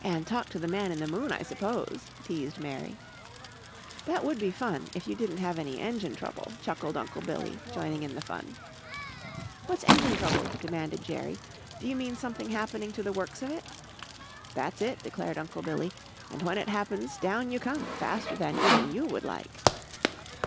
"And talk to the man in the moon, I suppose," teased Mary. "That would be fun, if you didn't have any engine trouble," chuckled Uncle Billy, joining in the fun. "What's engine trouble?" demanded Jerry. "Do you mean something happening to the works of it?" "That's it," declared Uncle Billy, "and when it happens down you come faster than even you would like."